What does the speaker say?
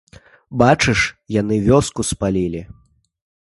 Бачыш, яны вёску спалілі.